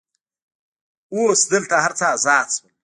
اوس دلته هر څه آزاد شول.